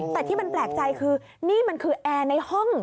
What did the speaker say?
แต่ที่มันแปลกใจคือนี่มันคือแอร์ในห้อง